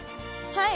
はい。